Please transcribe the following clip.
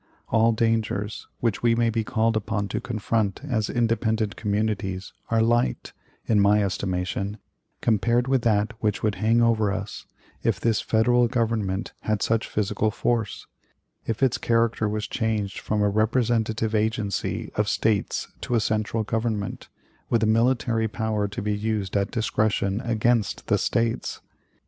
All dangers which we may be called upon to confront as independent communities are light, in my estimation, compared with that which would hang over us if this Federal Government had such physical force; if its character was changed from a representative agent of States to a central Government, with a military power to be used at discretion against the States.